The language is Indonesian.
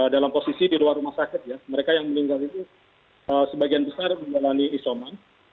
dalam posisi di luar rumah sakit ya mereka yang meninggal itu sebagian besar menjalani isoman